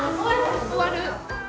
終わる。